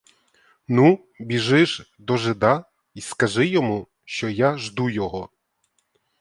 Ну, біжи ж до жида й скажи йому, що я жду його.